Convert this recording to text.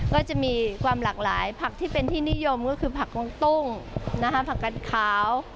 ก็จะมีความหลากหลายผักที่เป็นที่นิยมก็คือผักวังตุ้งผักกัดขาว